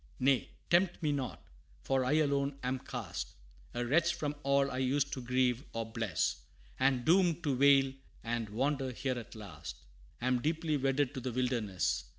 Nay, tempt me not! for I alone am cast, A wretch from all I used to grieve or bless; And doomed to wail and wander here at last, Am deeply wedded to the wilderness.